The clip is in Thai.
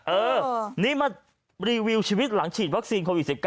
เออนี่มารีวิวชีวิตหลังฉีดวัคซีนโควิด๑๙